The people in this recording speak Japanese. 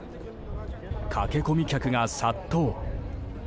駆け込み客が殺到！